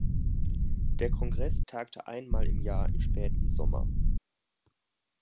Der Kongreß tagte einmal im Jahr im späten Sommer.